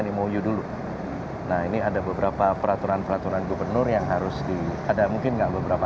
di mou dulu nah ini ada beberapa peraturan peraturan gubernur yang harus di ada mungkin enggak beberapa